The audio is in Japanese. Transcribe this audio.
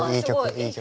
いい曲。